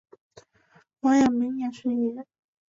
黄雅珉也是艺人。